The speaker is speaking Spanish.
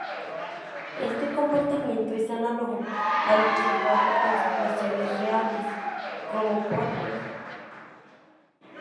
Este comportamiento es análogo al observado en situaciones reales, como por ej.